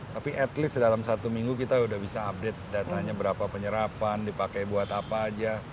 tapi at least dalam satu minggu kita sudah bisa update datanya berapa penyerapan dipakai buat apa aja